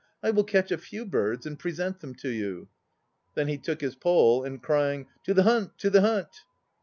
I will catch a few birds and present them to you. Then he took his pole, and crying "To the hunt, to the hunt!